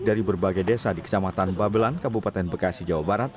dari berbagai desa di kecamatan babelan kabupaten bekasi jawa barat